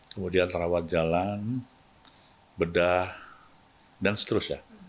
kemudian terawat jalan bedah dan seterusnya